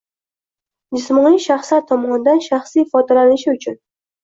Jismoniy shaxslar tomonidan shaxsiy foydalanishi uchun